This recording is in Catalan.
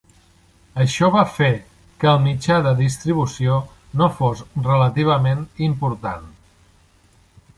Això va fer que el mitja de distribució no fos relativament important.